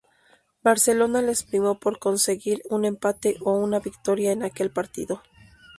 Barcelona les primó por conseguir un empate o una victoria en aquel partido.